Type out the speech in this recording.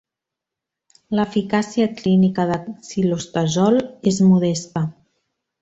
L'eficàcia clínica de cilostazol és modesta.